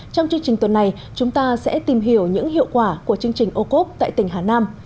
trong chương trình tuần này chúng ta sẽ tìm hiểu những hiệu quả của chương trình ô cốp tại tỉnh hà nam